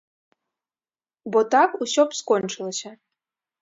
Бо так усё б скончылася.